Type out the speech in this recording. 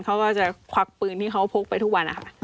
เขาก็จะควักปืนที่เขาพกไปทุกวันนะคะ